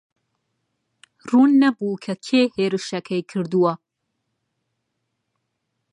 ڕوون نەبوو کە کێ هێرشەکەی کردووە.